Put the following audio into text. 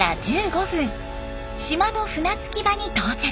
島の船着き場に到着。